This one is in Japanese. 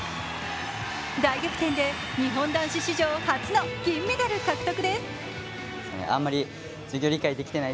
大逆転で日本男子史上初の銀メダル獲得です。